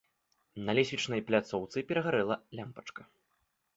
На лесвічнай пляцоўцы перагарэла лямпачка.